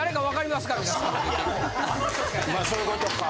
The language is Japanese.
まあそういう事か。